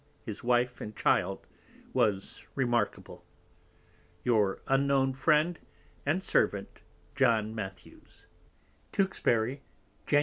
_ his Wife and Child was remarkable, Your unknown Friend and Servant, _Teuxbury Jan.